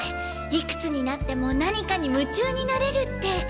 いくつになっても何かに夢中になれるって。